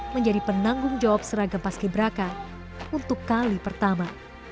menjadi penanggung jawab seragam pasci braka untuk kali pertama